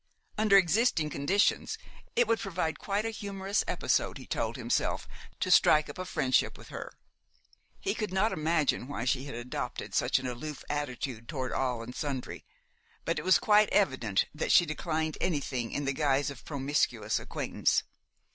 Under existing conditions, it would provide quite a humorous episode, he told himself, to strike up a friendship with her. He could not imagine why she had adopted such an aloof attitude toward all and sundry; but it was quite evident that she declined anything in the guise of promiscuous acquaintance.